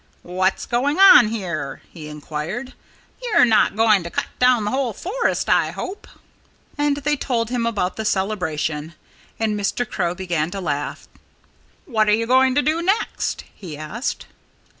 "What's going on?" he inquired. "You're not going to cut down the whole forest, I hope." Then they told him about the celebration. And Mr. Crow began to laugh. "What are you going to do next?" he asked.